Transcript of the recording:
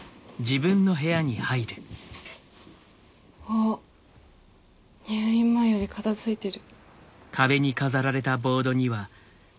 あっ入院前より片付いてる。